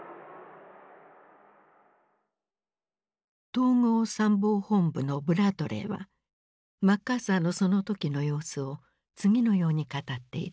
統合参謀本部のブラッドレーはマッカーサーのその時の様子を次のように語っている。